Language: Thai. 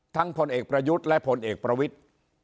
พลเอกประยุทธ์และพลเอกประวิทธิ์